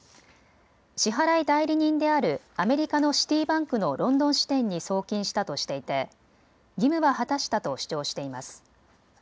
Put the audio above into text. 支払い代理人であるアメリカのシティバンクのロンドン支店に送金したとしていて義務は果たしたと主張しています。